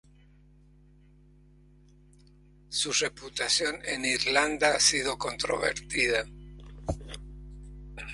Su reputación en Irlanda ha sido controvertida.